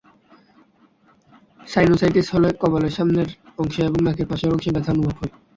Sinusitis হলে কপালের সামনের অংশে এবং নাকের পাশের অংশে ব্যথা অনুভূত হয়।